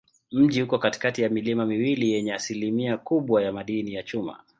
Mji uko katikati ya milima miwili yenye asilimia kubwa ya madini ya chuma.